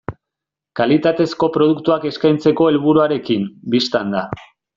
Kalitatezko produktuak eskaintzeko helburuarekin, bistan da.